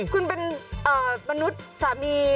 คุณเป็นมนุษย์สามี